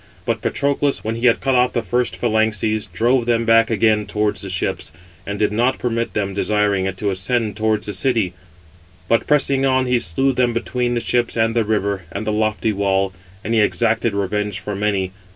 But Patroclus, when he had cut off the first phalanxes, drove them back again towards the ships, and did not permit them, desiring it, to ascend towards the city; but, pressing on, he slew them between the ships, and the river, and the lofty wall, and he exacted revenge for many.